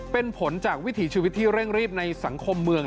เป็นผลจากวิถีชีวิตที่เร่งรีบในสังคมเมือง